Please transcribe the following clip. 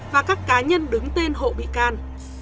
và các cá nhân đứng tên hộ bị can